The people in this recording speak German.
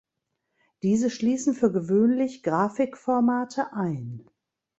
Diese schließen für gewöhnlich Grafikformate ein.